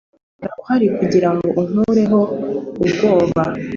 uhora uhari kugirango unkureho ubwoba.